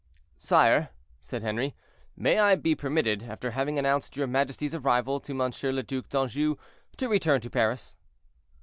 "Sire," said Henri, "may I be permitted, after having announced your majesty's arrival to Monseigneur le Duc d'Anjou, to return to Paris?"